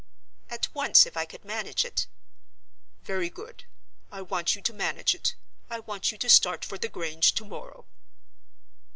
"At once, if I could manage it." "Very good. I want you to manage it; I want you to start for the Grange to morrow."